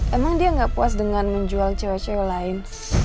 emang dia gak puas dengan menjual cewek cewek lain